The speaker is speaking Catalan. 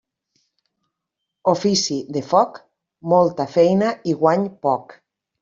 Ofici de foc, molta feina i guany poc.